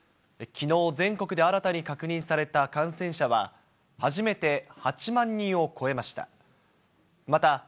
きのう、全国で新たに確認された感染者は、初めて８万人を超えました。